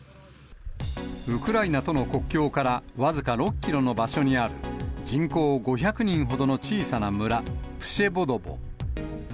ウクライナとの国境から僅か６キロの場所にある、人口５００人ほどの小さな村、プシェヴォドヴォ。